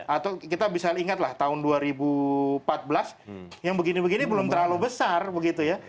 atau kita bisa ingatlah tahun dua ribu empat belas yang begini begini belum terlalu besar begitu ya